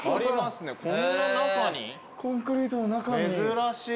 珍しい。